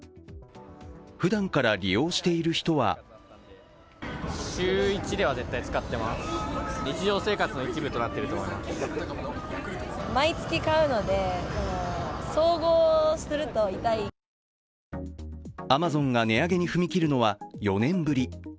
ふだんから利用している人はアマゾンが値上げに踏み切るのは４年ぶり。